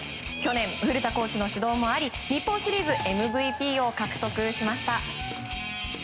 去年、古田コーチの指導もあり日本シリーズＭＶＰを獲得しました。